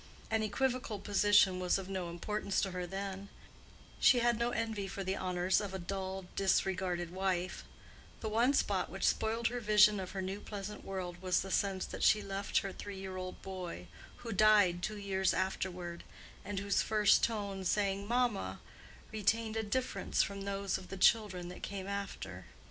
An equivocal position was of no importance to her then; she had no envy for the honors of a dull, disregarded wife: the one spot which spoiled her vision of her new pleasant world, was the sense that she left her three year old boy, who died two years afterward, and whose first tones saying "mamma" retained a difference from those of the children that came after.